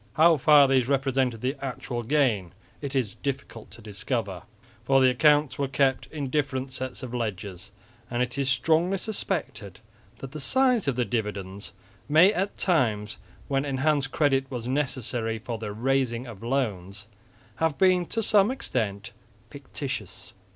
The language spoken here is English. How far these represented the actual gain it is difficult to discover, for the accounts were kept in different sets of ledgers; and it is strongly suspected that the size of the dividends may, at times when enhanced credit was necessary for the raising of loans, have been to some extent fictitious.